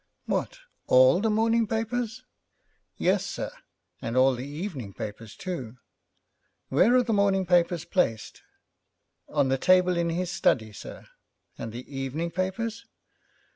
'What, all the morning papers?' 'Yes, sir, and all the evening papers too.' 'Where are the morning papers placed?' 'On the table in his study, sir.' 'And the evening papers?'